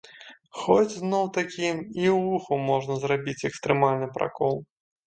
Хоць зноў-такі, і ў вуху можна зрабіць экстрэмальны пракол.